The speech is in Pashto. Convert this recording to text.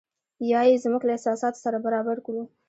یا یې زموږ له احساساتو سره برابر کړو.